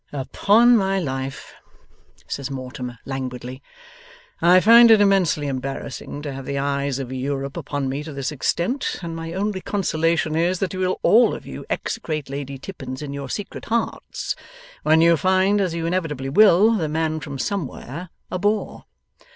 'Upon my life,' says Mortimer languidly, 'I find it immensely embarrassing to have the eyes of Europe upon me to this extent, and my only consolation is that you will all of you execrate Lady Tippins in your secret hearts when you find, as you inevitably will, the man from Somewhere a bore.